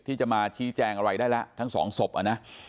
ที่จะมาชี้แจงอะไรได้แล้วทั้งสองศพนะ